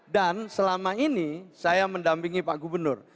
dan selama ini saya mendampingi pak gubernur